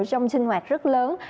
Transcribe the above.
trong sinh hoạt rất lớn